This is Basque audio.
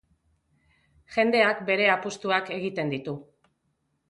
Jendeak bere apustuak egiten ditu.